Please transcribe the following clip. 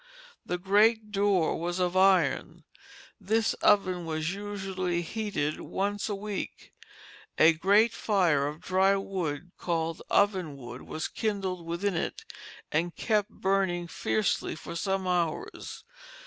The great door was of iron. This oven was usually heated once a week. A great fire of dry wood, called oven wood, was kindled within it and kept burning fiercely for some hours.